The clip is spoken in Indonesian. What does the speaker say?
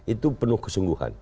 itu penuh kesungguhan